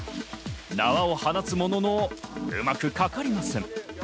縄を放つものの、うまくかかりません。